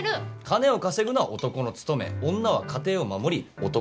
金を稼ぐのは男の務め女は家庭を守り男を支える。